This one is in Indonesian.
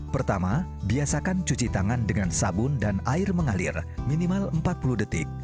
pertama biasakan cuci tangan dengan sabun dan air mengalir minimal empat puluh detik